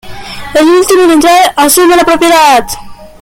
El último en entrar asume la propiedad.